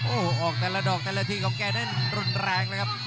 โอ้โหออกแต่ละดอกแต่ละทีของแกได้รุนแรงเลยครับ